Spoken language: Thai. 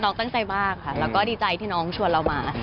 น้องตั้งใจมากค่ะดีใจที่น้องชวนเรามา